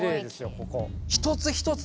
ここ。